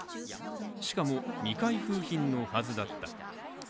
しかも未開封品のはずだった。